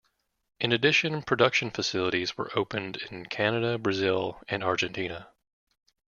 In addition, production facilities were opened in Canada, Brazil and Argentina.